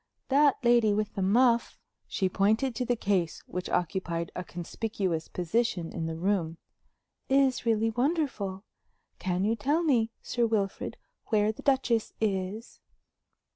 That lady with the muff" she pointed to the case which occupied a conspicuous position in the room "is really wonderful. Can you tell me, Sir Wilfrid, where the Duchess is?"